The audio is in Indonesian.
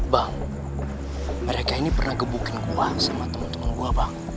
bang mereka ini pernah gebukin gua sama temen temen gua bang